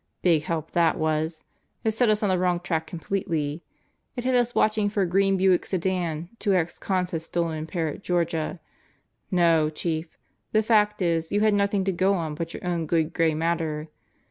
Big help that wasl It set us on the wrong track completely. It had us watching for a green Buick sedan two ex cons had stolen in Parrot, Georgia. No, Chief, the fact is you had nothing to go on but your own good gray matter.